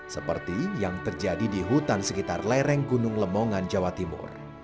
seperti yang terjadi di hutan sekitar lereng gunung lemongan jawa timur